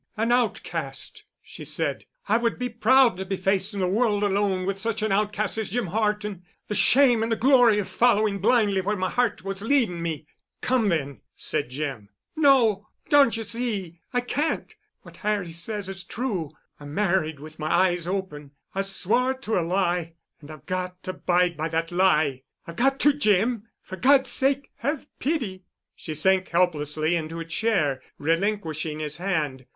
"An outcast!" she said. "I would be proud to be facing the world alone with such an outcast as Jim Horton—the shame and the glory of following blindly where my heart was leading me——" "Come, then," said Jim. "No. Don't you see? I can't. What Harry says is true. I married with my eyes open. I swore to a lie. And I've got to abide by that lie. I've got to, Jim. For God's sake, have pity." She sank helplessly into a chair, relinquishing his hand.